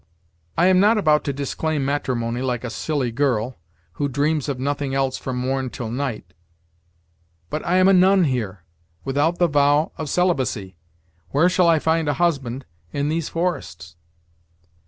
"I am not about to disclaim matrimony, like a silly girl, who dreams of nothing else from morn till night; but I am a nun here, without the vow of celibacy. Where shall I find a husband in these forests?"